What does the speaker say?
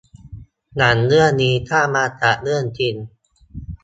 หนังเรื่องนี้สร้างมาจากเรื่องจริง